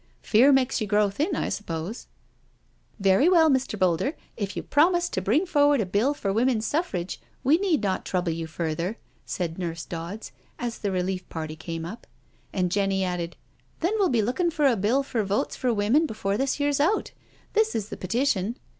Fear makes you grow thin, I sup pose." " Very well, Mr. Boulder, if you promise to bring forward a Bill for Woman's Suffrage, we need not trouble you further," said Nurse Dodds, as the relief party came up. And Jenny added: IN MIDDLEHAM CHURCH 205 " Then well be looking for a Bill for Votes for Women before this year's out. This is the Petition."